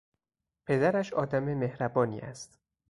پدرش آدم مهربانی است.